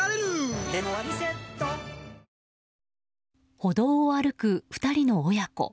歩道を歩く２人の親子。